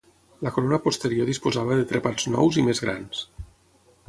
La corona posterior disposava de trepats nous i més grans.